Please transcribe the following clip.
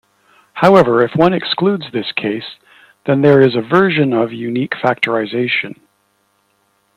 However if one excludes this case then there is a version of unique factorization.